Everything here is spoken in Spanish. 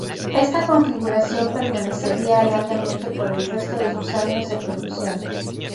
Esta configuración permanecería largamente por el resto de sus años de producción.